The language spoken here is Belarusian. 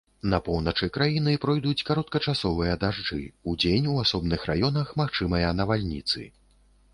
На поўначы краіны пройдуць кароткачасовыя дажджы, удзень у асобных раёнах магчымыя навальніцы.